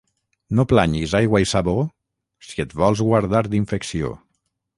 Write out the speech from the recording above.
No planyis aigua i sabó, si et vols guardar d'infecció.